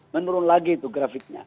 menurun lagi tuh grafiknya